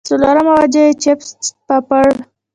څلورمه وجه ئې چپس پاپړ